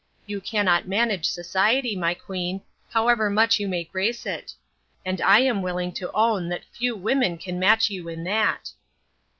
You cannot man age society, my queen, however much you may grace it ; and I am willing to own that few women can match you in that."